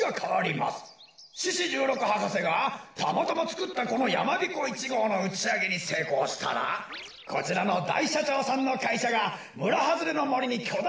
獅子じゅうろく博士がたまたまつくったこのやまびこ１ごうのうちあげにせいこうしたらこちらのだいしゃちょうさんのかいしゃがむらはずれのもりにきょだ